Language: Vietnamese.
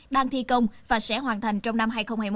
đang thi công và sẽ hoàn thành trong năm hai nghìn hai mươi một